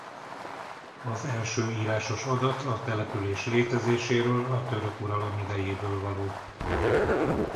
Az első írásos adat a település létezéséről a török uralom idejéből való.